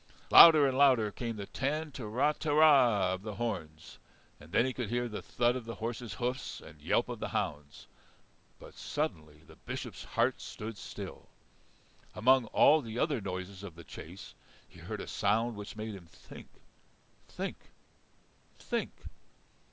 Louder and louder came the tantaratara! of the horns, and then he could hear the thud of the horses' hoofs and the yelp of the hounds. But suddenly the Bishop's heart stood still. Among all the other noises of the chase he heard a sound which made him think think think.